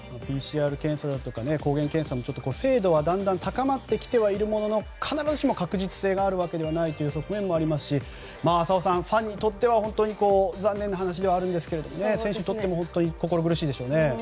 ＰＣＲ検査とか抗原検査も精度はだんだん高まってきてはいるものの必ずしも確実性があるわけじゃないという側面もあるし浅尾さん、ファンにとっては残念ですが選手にとっても本当に心苦しいでしょうね。